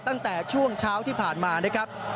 ตั้งแต่ช่วงเช้าที่ผ่านมานะครับ